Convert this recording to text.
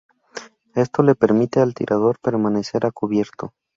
Esto le permite al tirador permanecer a cubierto.